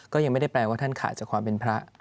ก็ยังไม่ได้แปลว่าท่านขาดจากความเป็นพระ